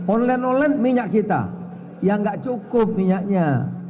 online online minyak kita yang nggak cukup minyaknya